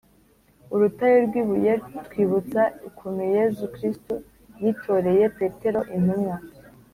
-urutare rw’ibuye rutwibutsa ukuntu yezu kristu yitoreye petero intumwa